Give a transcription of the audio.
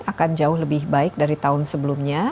akan jauh lebih baik dari tahun sebelumnya